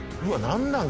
何なん？